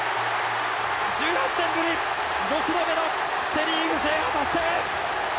１８年ぶり、６度目のセ・リーグ制覇達成。